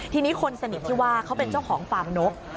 ทีนี้คนสนิทที่ว่าเขาเป็นเจ้าของฟาร์มนก